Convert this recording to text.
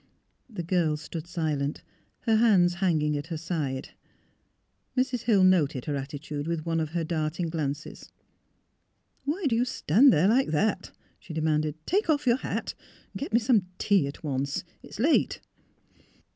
The girl stood silent, her hands hanging at her side. Mrs. Hill noted her attitude with one of her darting glances. *' Why do you stand there like that? " she de manded. " Take off your hat and get me some tea at once. It is late."